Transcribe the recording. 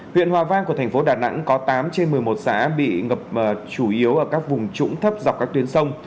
huyện hòa vang của thành phố đà nẵng có tám trên một mươi một xã bị ngập chủ yếu ở các vùng trũng thấp dọc các tuyến sông